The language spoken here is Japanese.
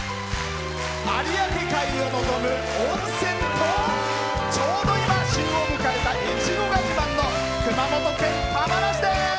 有明海を望む温泉と、ちょうど今、旬を迎えたいちごが自慢の熊本県玉名市です。